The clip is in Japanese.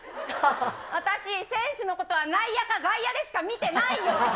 私、選手のことは内野か外野でしか見てないよ。